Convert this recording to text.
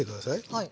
はい。